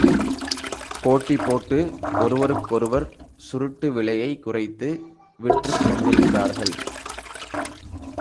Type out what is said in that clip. போட்டி போட்டு ஒருவர்க்கொருவர் சுருட்டு விலையைக் குறைத்து விற்றுக்கொண்டிருந்தார்கள்.